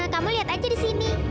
kamu lihat aja di sini